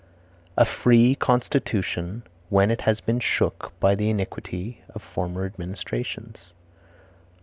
"A free constitution when it has been shook by the iniquity of former administrations."